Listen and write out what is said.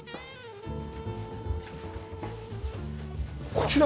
こちら。